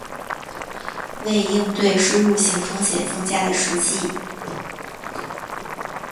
为应对输入性风险增加的实际